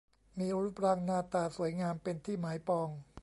มีรูปร่างหน้าตาสวยงามเป็นที่หมายปอง